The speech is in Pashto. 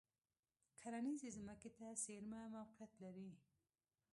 کرنیزې ځمکې ته څېرمه موقعیت لري.